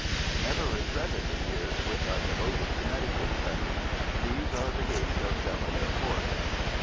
I never regretted the years which I devoted to medical study. These are the gates of Delamere Court."